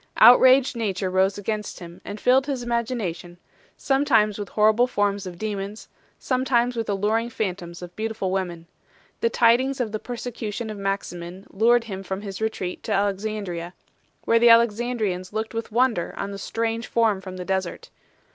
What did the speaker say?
Outraged nature rose against him, and filled his imagination, sometimes with horrible forms of demons, sometimes with alluring phantoms of beautiful women. The tidings of the per secution of Maximin lured him from his retreat to Alex andria, where the Alexandrians looked with wonder on the strange form from the desert.